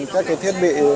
các cái thiết bị